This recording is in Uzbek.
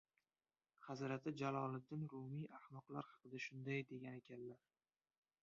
Hazrati Jaloliddin Rumiy ahmoqlar haqida shunday degan ekanlar.